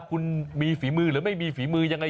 คุณมีฝีมือหรือไม่มีฝีมือยังไง